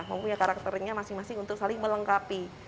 mempunyai karakternya masing masing untuk saling melengkapi